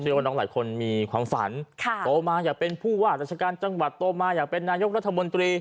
ว่าน้องหลายคนมีความฝันโตมาอยากเป็นผู้ว่าราชการจังหวัดโตมาอยากเป็นนายกรัฐมนตรี